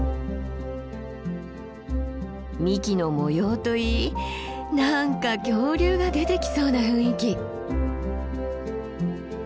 幹の模様といい何か恐竜が出てきそうな雰囲気。